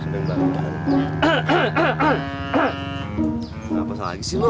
kenapa salah lagi sih lo